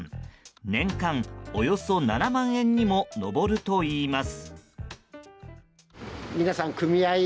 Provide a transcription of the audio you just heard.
年間およそ７万円にも上るといいます。